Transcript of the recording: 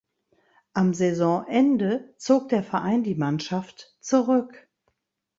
Am Saisonende zog der Verein die Mannschaft zurück.